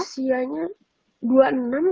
usianya dua puluh enam deh kalau pon